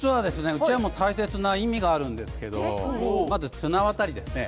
うちわも大切な意味があるんですけどまず綱渡りですね。